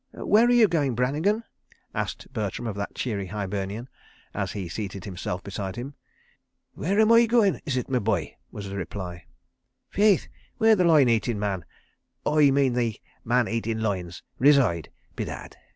"Where are you going, Brannigan?" asked Bertram of that cheery Hibernian, as he seated himself beside him. "Where am Oi goin', is ut, me bhoy?" was the reply. "Faith, where the loin eating man—Oi mane the man eating loins reside, bedad.